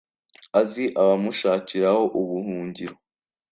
azi abamushakiraho ubuhungiro